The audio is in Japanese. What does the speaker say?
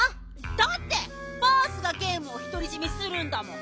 だってバースがゲームをひとりじめするんだもん。